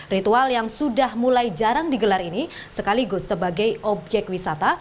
ritual yang sudah mulai jarang digelar ini sekaligus sebagai objek wisata